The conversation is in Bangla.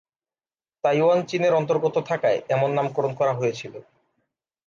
তাইওয়ান চীনের অন্তর্গত থাকায় এমন নামকরণ করা হয়েছিলো।